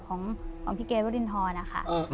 ของพี่เกดวรินทรนะคะ